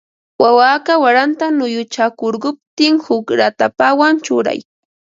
Wawa aka waranta nuyuchakurquptin huk ratapawan churay